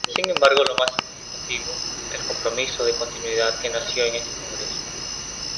Sin embargo, lo más significativo el compromiso de continuidad que nació en este Congreso.